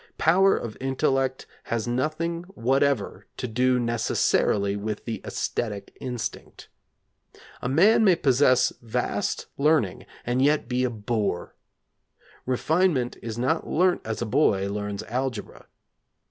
Power of intellect has nothing whatever to do necessarily with the æsthetic instinct. A man may possess vast learning and yet be a boor. Refinement is not learnt as a boy learns algebra.